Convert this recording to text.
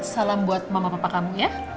salam buat mama papa kamu ya